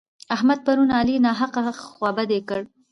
احمد پرون علي ناحقه خوابدی کړ.